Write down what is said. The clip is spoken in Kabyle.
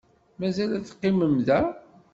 Mazal ad teqqimem da?